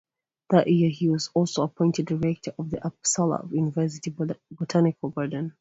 That year he was also appointed director of the Uppsala University Botanical Garden.